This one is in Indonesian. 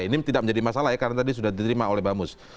ini tidak menjadi masalah ya karena tadi sudah diterima oleh bamus